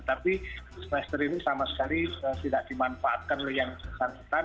tapi semester ini sama sekali tidak dimanfaatkan oleh yang bersangkutan